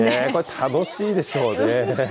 楽しいでしょうね。